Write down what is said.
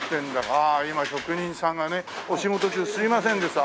ああ今職人さんがね。お仕事中すいませんです。